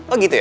oh gitu ya